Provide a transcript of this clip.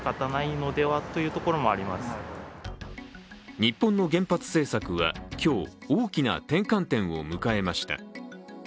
日本の原発政策は今日、大きな転換点を迎えました。